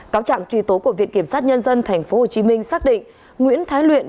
cáo trạng truy tố của viện kiểm sát nhân dân tp hcm xác định nguyễn thái luyện